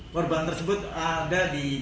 korban tersebut ada di dalam lift